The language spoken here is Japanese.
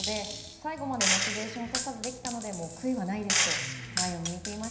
最後までモチベーションを落とさずできたので悔いはないと。